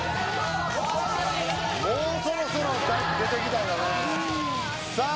もうそろそろ出てきたかなさあ